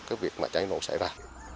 cái việc mà cháy nổ xảy ra